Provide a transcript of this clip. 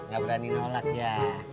gak berani nolak ya